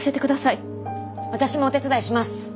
私もお手伝いします！